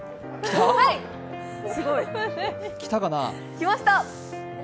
きました。